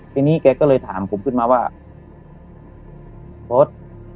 ทีนี้แกก็เลยถามผมขึ้นมาว่าโพสต์